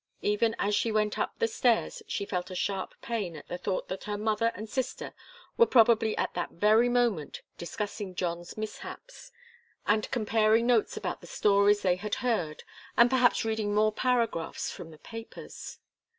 Even as she went up the stairs she felt a sharp pain at the thought that her mother and sister were probably at that very moment discussing John's mishaps, and comparing notes about the stories they had heard and perhaps reading more paragraphs from the papers.